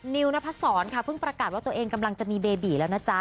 วนพศรค่ะเพิ่งประกาศว่าตัวเองกำลังจะมีเบบีแล้วนะจ๊ะ